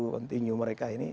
kontinu mereka ini